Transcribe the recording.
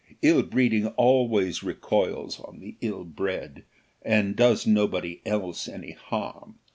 Ill breeding always recoils on the ill bred, and does nobody else any harm.